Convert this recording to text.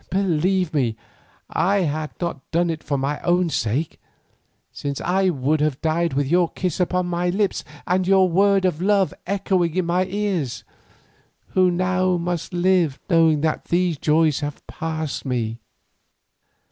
Believe me, I had not done it for my own sake, since I would have died with your kiss upon my lips and your word of love echoing in my ears, who now must live knowing that these joys have passed from me."